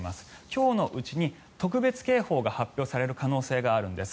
今日のうちに特別警報が発表される可能性があるんです。